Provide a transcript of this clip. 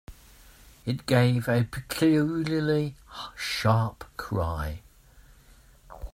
It gave a peculiarly sharp cry.